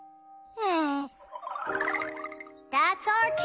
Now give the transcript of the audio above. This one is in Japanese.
うん。